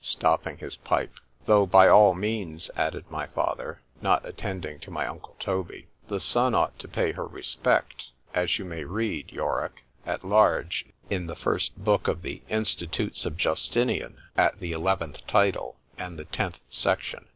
_ stopping his pipe.—Though by all means, added my father (not attending to my uncle Toby), "The son ought to pay her respect," as you may read, Yorick, at large in the first book of the Institutes of Justinian, at the eleventh title and the tenth section.